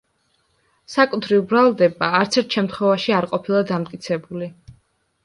საკუთრივ ბრალდება არც ერთ შემთხვევაში არ ყოფილა დამტკიცებული.